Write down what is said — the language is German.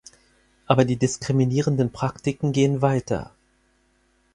Aber die diskriminierenden Praktiken gehen weiter.